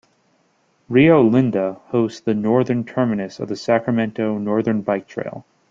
Rio Linda hosts the northern terminus of the Sacramento Northern Bike Trail.